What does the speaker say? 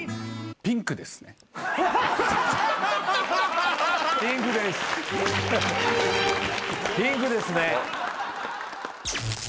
ピンクですね。